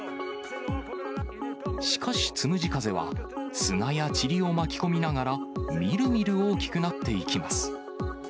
しかし、つむじ風は砂やちりを巻き込みながら、みるみる大きくなっていきます。